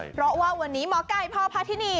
เพราะว่าวันนี้หมอไก่พ่อพาทินี